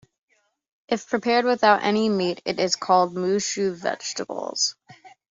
If prepared without any meat, it is called moo shu vegetables.